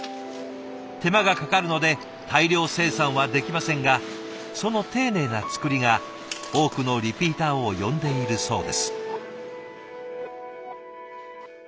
手間がかかるので大量生産はできませんがその丁寧な作りが多くのリピーターを呼んでいるそうです。